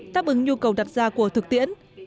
táp ứng nhu cầu đặt ra của thực tiễn